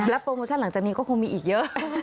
โปรโมชั่นหลังจากนี้ก็คงมีอีกเยอะ